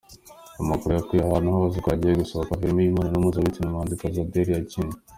Amakuru yakwiye ahantu hose ko hagiye gusohoka filimi y’imibonano mpuzabitsina, umuhanzikazi Adele yakinnye.